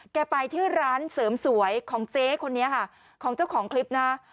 ไปที่ร้านเสริมสวยของเจ๊คนนี้ค่ะของเจ้าของคลิปนะ